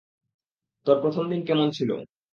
তোর প্রথম দিন কেমন ছিল?